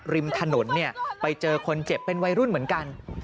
ริมถนนเนี่ยไปเจอคนเจ็บเป็นวัยรุ่นเหมือนกัน